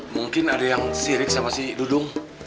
mungkin ada yang sirik sama si dudung